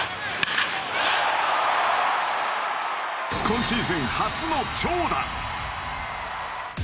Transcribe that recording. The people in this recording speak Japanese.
今シーズン初の長打。